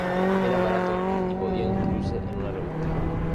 Eran baratos y podían incluirse en una revista.